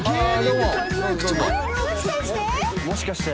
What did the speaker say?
もしかして？